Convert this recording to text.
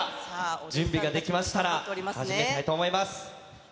準備ができましたら、始めたいと思います。